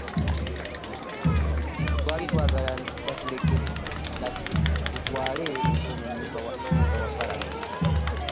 Twali twagala batulekere naffe tutwale eky'omumyuka wa sipiika wa ppaalamenti